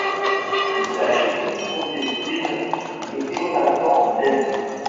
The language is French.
Il s'agit du premier film de Jonathan Demme.